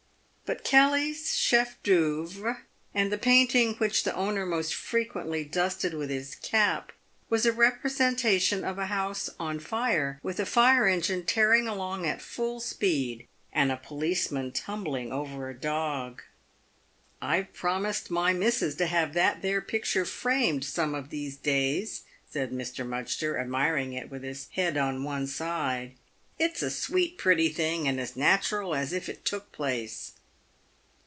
But Kelly's chef d'oeuvre, and the painting which the owner most frequently dusted with his cap, was a re presentation of a house on fire, with a fire engine tearing along at full speed and a policeman tumbling over a dog. " I've promised my missus to have that there picture framed some of these days," said Mr Mudgster, admiring it with his head on one side. " It's a sweet pretty thing, and as nat'ral as if it took place."